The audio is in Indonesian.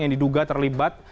yang diduga terlibat